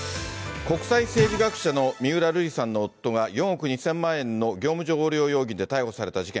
国際政治学者の三浦瑠麗さんの夫が４億２０００万円の業務上横領容疑で逮捕された事件。